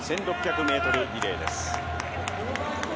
男女混合１６００ｍリレーです。